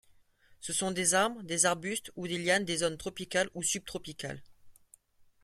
Ce sont des arbres, des arbustes ou des lianes des zones tropicales ou sub-tropicales.